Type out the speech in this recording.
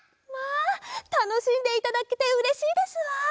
まあたのしんでいただけてうれしいですわ。